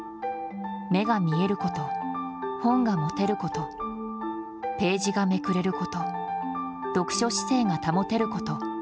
目が見えること、本が持てることページがめくれること読書姿勢が保てること